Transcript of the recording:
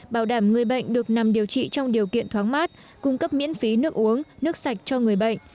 bảo đảm người bệnh được nằm điều trị trong điều kiện thoáng mát cung cấp miễn phí nước uống nước sạch cho người bệnh